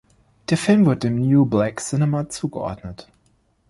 Der Film wird dem "New Black Cinema" zugeordnet.